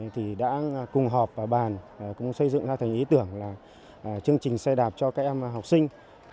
thì đã cùng họp và bàn cũng xây dựng ra thành ý tưởng là chương trình xe đạp cho các em học sinh